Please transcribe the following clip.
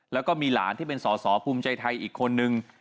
แล้วก็มีหลานที่เป็นสอสอภูมิใจไทยอีกคนนึง